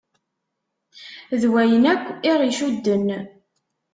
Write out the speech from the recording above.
D wayen akk i ɣ-icudden.